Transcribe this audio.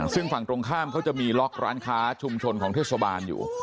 ซึ่งฝั่งตรงข้ามเขาจะมีล็อกร้านค้าชุมชนของเทศบาลอยู่